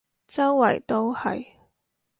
周圍都係